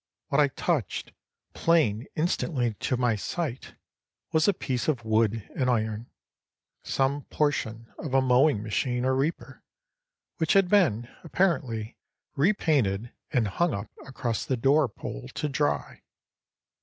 What I touched, plain instantly to my sight, was a piece of wood and iron, some portion of a mowing machine or reaper, which had been, apparently, repainted and hung up across the door pole to dry.